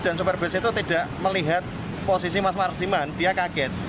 dan soper bis itu tidak melihat posisi mas parjiman dia kaget